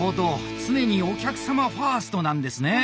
常にお客様ファーストなんですね。